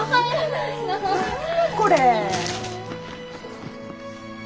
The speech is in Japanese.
これ。